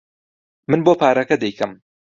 من بۆ پارەکە دەیکەم.